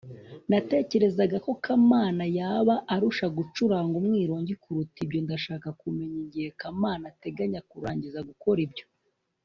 natekerezaga ko kamana yaba arusha gucuranga umwironge kuruta ibyo. ndashaka kumenya igihe kamana ateganya kurangiza gukora ibyo